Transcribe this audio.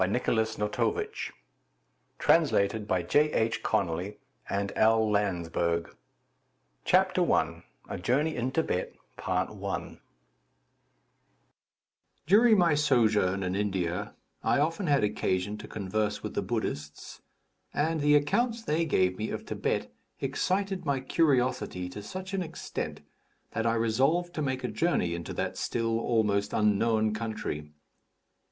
Nicolas Notovitch The Unknown Life of Jesus Christ A Journey in Thibet During my sojourn in India, I often had occasion to converse with the Buddhists, and the accounts they gave me of Thibet excited my curiosity to such an extent that I resolved to make a journey into that still almost unknown country.